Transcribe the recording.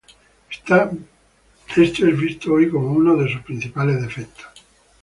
Esto es visto hoy como uno de sus principales defectos.